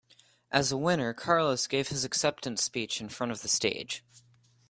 As a winner, Carlos give his acceptance speech in front of the stage.